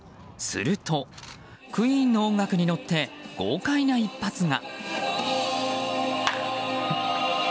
するとＱＵＥＥＮの音楽に乗って豪快な一発が。